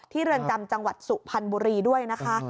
เรือนจำจังหวัดสุพรรณบุรีด้วยนะคะ